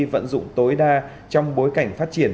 vận dụng tối đa trong bối cảnh phát triển